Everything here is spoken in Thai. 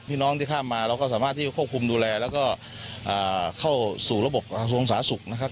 น้องที่ข้ามมาเราก็สามารถที่จะควบคุมดูแลแล้วก็เข้าสู่ระบบกระทรวงสาธารณสุขนะครับ